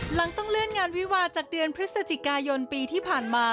หลังต้องเลื่อนงานวิวาจากเดือนพฤศจิกายนปีที่ผ่านมา